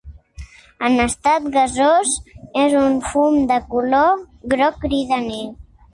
En estat gasós és un fum de color groc cridaner.